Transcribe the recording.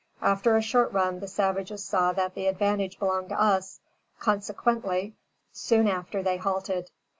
After a short run, the savages saw that the advantage belonged to us, consequently soon after they halted.